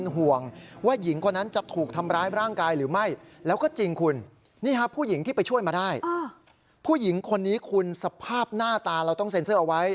ผู้หญิงคนนี้คุณสภาพหน้าตาเราต้องเซ็นเซอร์เอาไว้